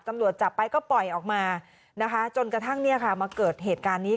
ตำรวจจับไปก็ปล่อยออกมานะคะจนกระทั่งเนี่ยค่ะมาเกิดเหตุการณ์นี้